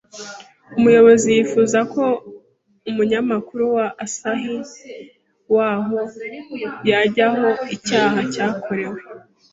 Umuyobozi yifuzaga ko umunyamakuru wa Asahi waho yajya aho icyaha cyakorewe